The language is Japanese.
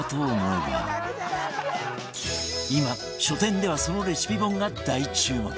今書店ではそのレシピ本が大注目！